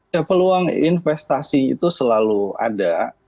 ya peluang investasi itu selalu ada